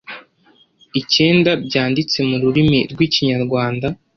icyenda byanditse mu rurimi rw'Ikinyarwanda